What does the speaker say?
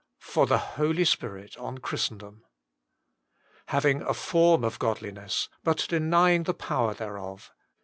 |Tor ilje HJoltr Spirit on (Kljristcn&otn "Having a form of godliness, but denying the power thereof."